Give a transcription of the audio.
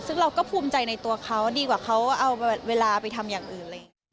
ซึ่งเราก็ภูมิใจในตัวเค้าดีกว่าเค้าเอาเวลาไปทำอย่างอื่น